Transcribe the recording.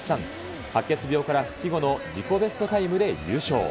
白血病から復帰後の自己ベストタイムで優勝。